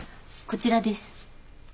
こちらです。